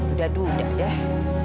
udah duda deh